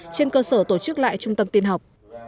trên cơ sở tổ chức lại trung tâm tiên học